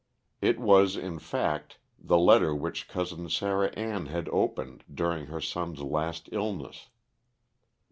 It was, in fact, the letter which Cousin Sarah Ann had opened during her son's last illness.